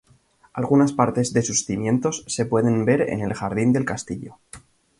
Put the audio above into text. Algunas partes de sus cimientos se pueden ver en el jardín del castillo.